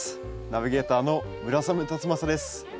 ナビゲーターの村雨辰剛です。